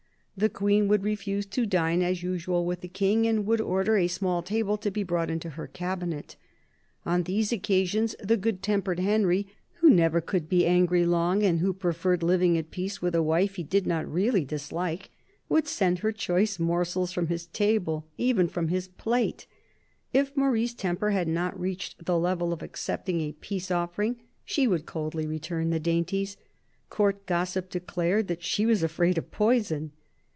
The Queen would refuse to dine as usual with the King, and would order a small table to be brought into her cabinet. On these occasions the good tempered Henry, who never could be angry long, and who preferred living at peace with a wife he did not really dislike, would send her choice morsels from his table, even from his plate. If Marie's temper had not reached the level of accepting a peace offering, she would coldly return the dainties. Court gossiip declared that she was afraid of poison.